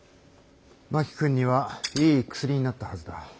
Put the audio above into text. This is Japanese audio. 真木君にはいい薬になったはずだ。